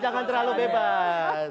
jangan terlalu bebas